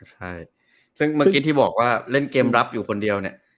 ใช่ซึ่งเมื่อกี้ที่บอกว่าเล่นเกมรับอยู่คนเดียวเนี่ย